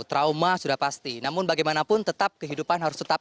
trauma sudah pasti namun bagaimanapun tetap kehidupan harus tetap